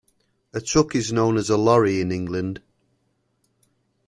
A truck is known as a lorry in England.